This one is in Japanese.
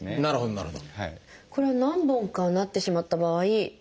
なるほど。